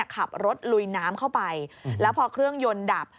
ขับรถลุยน้ำเข้าไปแล้วพอเครื่องยนต์ดับ